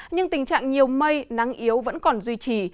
nhưng tình trạng nhiều mây nắng yếu vẫn còn duy trì